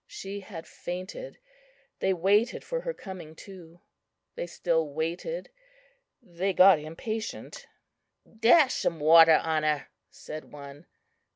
She had fainted. They waited for her coming to; they still waited; they got impatient. "Dash some water on her," said one.